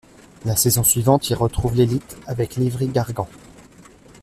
La saison suivante, il retrouve l'élite avec Livry-Gargan.